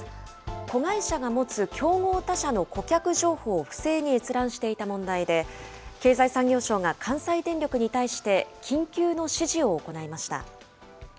子会社が持つ競合他社の顧客情報を不正に閲覧していた問題で、経済産業省が関西電力に対して、緊急の指示を行いました。